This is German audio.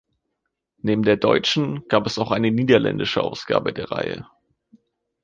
Neben der deutschen gab es auch eine niederländische Ausgabe der Reihe.